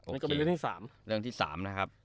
นี่ก็เป็นเรื่องที่สามนะครับ